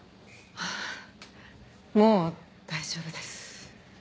ああもう大丈夫です。